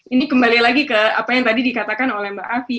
ini kembali lagi ke apa yang tadi dikatakan oleh mbak afi